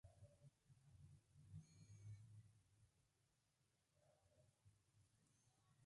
El actual obispo de Eichstätt es el Rector de la universidad.